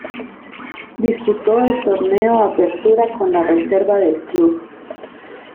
Disputó el Torneo Apertura con la reserva del club.